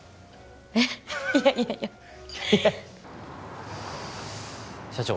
えいやいやいやはは社長